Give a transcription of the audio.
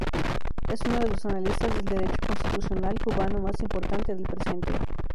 Es uno de los analistas del derecho constitucional cubano más importante del presente.